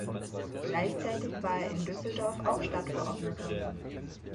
Gleichzeitig war er in Düsseldorf auch Stadtverordneter.